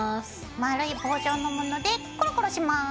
丸い棒状のものでコロコロします。